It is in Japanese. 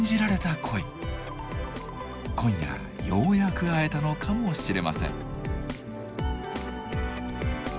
今夜ようやく会えたのかもしれません。